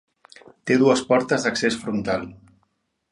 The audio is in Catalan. Té dues portes d'accés frontal.